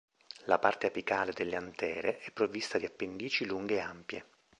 La parte apicale delle antere è provvista di appendici lunghe e ampie.